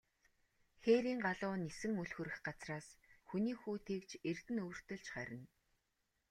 Хээрийн галуу нисэн үл хүрэх газраас, хүний хүү тэгж эрдэнэ өвөртөлж харина.